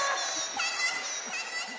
たのしいたのしい！